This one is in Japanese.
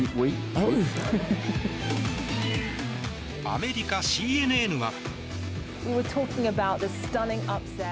アメリカ、ＣＮＮは。